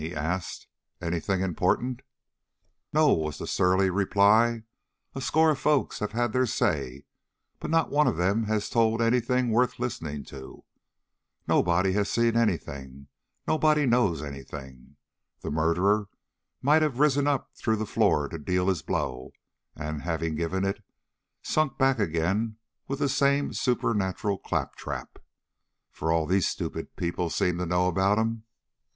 he asked. "Any thing important?" "No," was the surly reply. "A score of folks have had their say, but not one of them has told any thing worth listening to. Nobody has seen any thing, nobody knows any thing. The murderer might have risen up through the floor to deal his blow, and having given it, sunk back again with the same supernatural claptrap, for all these stupid people seem to know about him."